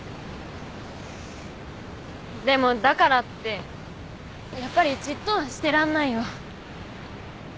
でもだからってやっぱりじっとはしてらんないよ。